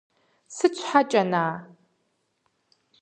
Сыт щхьэкӀэ, на-а?